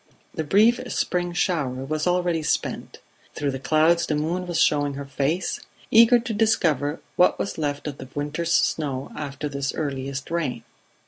The brief spring shower was already spent; through the clouds the moon was showing her face eager to discover what was left of the winter's snow after this earliest rain.